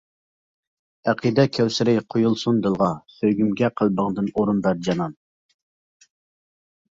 ئەقىدە كەۋسىرى قۇيۇلسۇن دىلغا، سۆيگۈمگە قەلبىڭدىن ئورۇن بەر جانان!